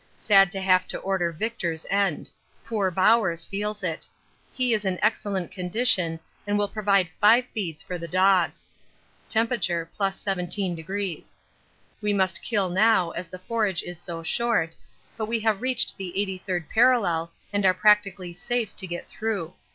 Sad to have to order Victor's end poor Bowers feels it. He is in excellent condition and will provide five feeds for the dogs. (Temp. + 17°.) We must kill now as the forage is so short, but we have reached the 83rd parallel and are practically safe to get through.